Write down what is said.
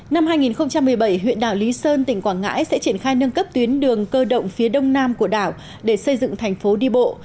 năm hai nghìn một mươi bảy huyện đảo lý sơn tỉnh quảng ngãi sẽ triển khai nâng cấp tuyến đường cơ động phía đông nam của đảo để xây dựng thành phố đi bộ